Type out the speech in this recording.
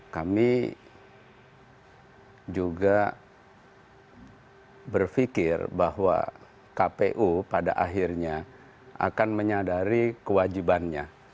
kami juga berpikir bahwa kpu pada akhirnya akan menyadari kewajibannya